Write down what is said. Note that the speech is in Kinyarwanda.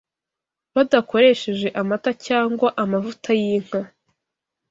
badakoresheje amata cyangwa amavuta y’inka